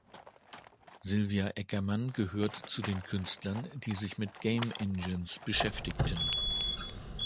Sylvia Eckermann gehört zu den Künstlern, die sich mit Game Engines beschäftigten.